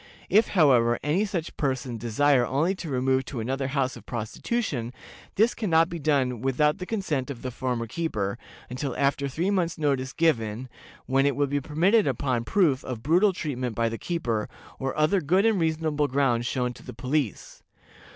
If, however, any such person desire only to remove to another house of prostitution, this can not be done without the consent of her former keeper, until after three months' notice given, when it will be permitted upon proof of brutal treatment by the keeper, or other good and reasonable grounds shown to the police.